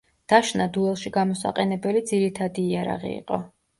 დაშნა დუელში გამოსაყენებელი ძირითადი იარაღი იყო.